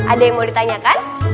ada yang mau ditanyakan